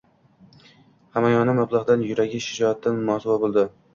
– hamyoni mablag‘dan, yuragi shijoatdan mosuvo bo‘ldi.